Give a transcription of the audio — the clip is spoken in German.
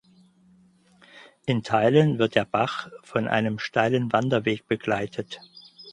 In Teilen wird der Bach von einem steilen Wanderweg begleitet.